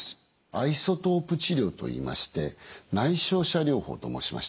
アイソトープ治療といいまして内照射療法と申しましてね